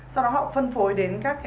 sau đó họ phân phối đến các cái